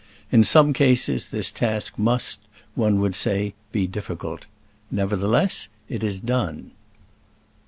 In some cases this task must, one would say, be difficult. Nevertheless, it is done.